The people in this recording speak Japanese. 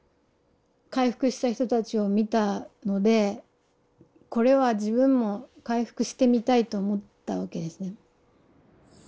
回復した人たちを見たのでこれは自分も回復してみたいと思ったわけですね。